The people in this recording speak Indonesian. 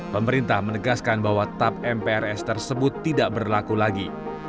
pemerintah menegaskan bahwa tap mprs tersebut tidak berlaku lagi